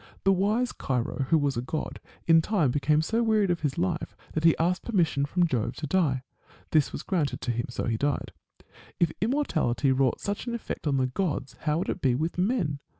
The wise Chiro, who was a god, in time became so wearied of his life, that he asked permission from Jove to die. This was granted to him ; so he died.'^ If immortality wrought such an effect on the gods, how would it be with men